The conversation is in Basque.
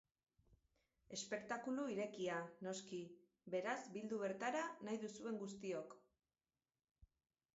Espektakulu irekia, noski, beraz bildu bertara nahi duzuen guztiok!